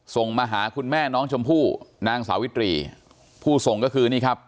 ส่งมาหาคุณแม่น้องชมพู่นางสาวิตรีผู้ส่งก็คือนี่ครับ